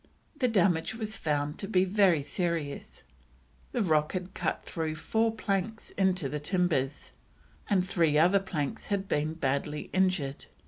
The damage was found to be very serious; the rock had cut through four planks into the timbers, and three other planks had been badly injured.